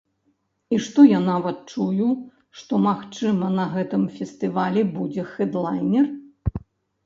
І што я нават чую, што, магчыма, на гэтым фестывалі будзе хэдлайнер.